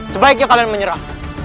sebaiknya kalian menyerah